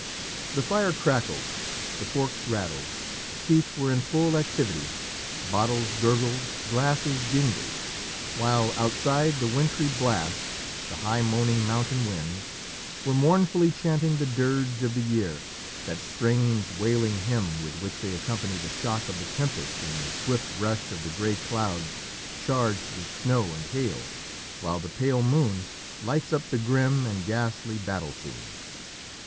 The fire crackled, the forks rattled, teeth were in full activity, bottles gurgled, glasses jingled, while outside the wintry blast, the high moaning mountain winds, were mournfully chanting the dirge of the year, that strange wailing hymn with which they accompany the shock of the tempest and the swift rush of the grey clouds charged with snow and hail, while the pale moon lights up the grim and ghastly battle scene.